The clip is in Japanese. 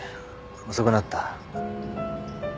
遅くなった。